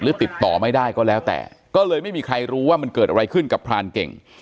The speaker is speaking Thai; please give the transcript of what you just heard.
ติดต่อไม่ได้ก็แล้วแต่ก็เลยไม่มีใครรู้ว่ามันเกิดอะไรขึ้นกับพรานเก่ง